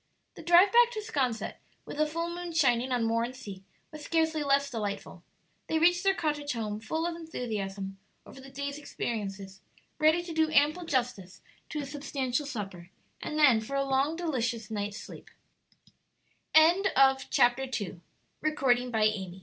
The drive back to 'Sconset, with the full moon shining on moor and sea, was scarcely less delightful. They reached their cottage home full of enthusiasm over the day's experiences, ready to do ample justice to a substantial supper, and then for a long delicious night's sleep. CHAPTER III. "And I have loved thee, Ocean!"